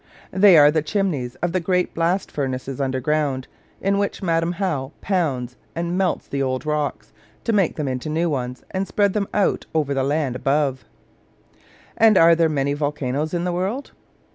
They are the chimneys of the great blast furnaces underground, in which Madam How pounds and melts up the old rocks, to make them into new ones, and spread them out over the land above. And are there many volcanos in the world?